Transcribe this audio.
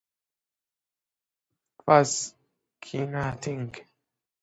Fascinating.